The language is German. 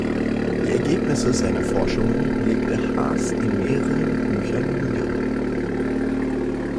Die Ergebnisse seiner Forschungen legte Haas in mehreren Büchern nieder.